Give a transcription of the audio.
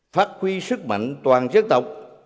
phát huy sức mạnh toàn dân tộc